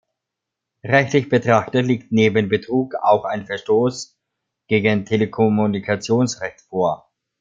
Rechtlich betrachtet liegt neben Betrug auch ein Verstoß gegen Telekommunikationsrecht vor.